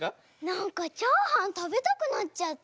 なんかチャーハンたべたくなっちゃった。